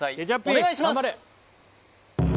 お願いします！